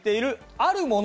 あるもの？